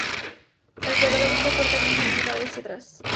El cuadrado está fuertemente inclinado hacia atrás.